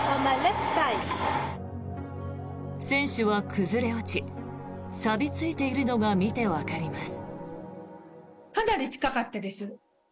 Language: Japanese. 船首は崩れ落ちさび付いているのが見てわかります。